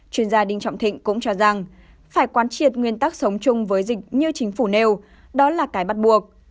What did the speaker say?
chuyên gia đinh trọng thịnh cũng cho rằng phải quán triệt nguyên tắc sống chung với dịch như chính phủ nêu đó là cái bắt buộc